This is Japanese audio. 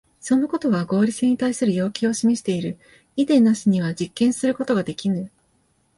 そのことは合理性に対する要求を示している。イデーなしには実験することができぬ。